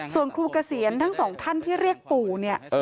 ส่วนครูเกษียณทั้งสองท่านที่เรียกปู่เนี่ย